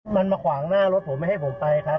มันมาขวางหน้ารถผมไม่ให้ผมไปครับ